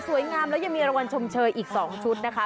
งามแล้วยังมีรางวัลชมเชยอีก๒ชุดนะคะ